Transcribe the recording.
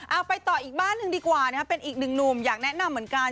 เอาไปต่ออีกบ้านหนึ่งดีกว่านะครับเป็นอีกหนึ่งหนุ่มอยากแนะนำเหมือนกัน